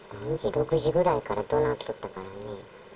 ６時ぐらいからどなっとったからね。